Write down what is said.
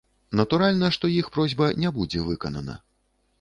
Натуральна, што іх просьба не будзе выканана.